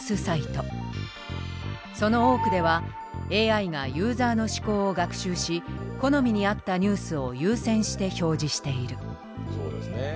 その多くではＡＩがユーザーの思考を学習し好みに合ったニュースを優先して表示している。